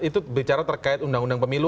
itu bicara terkait undang undang pemilu